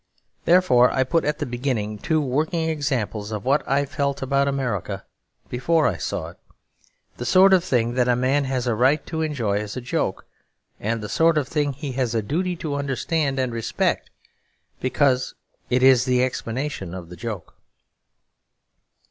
Therefore I put at the beginning two working examples of what I felt about America before I saw it; the sort of thing that a man has a right to enjoy as a joke, and the sort of thing he has a duty to understand and respect, because it is the explanation of the joke.